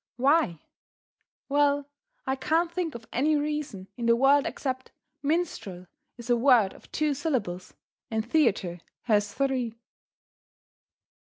Why? Well, I can't think of any reason in the world except "minstrel" is a word of two syllables, and "theatre" has three.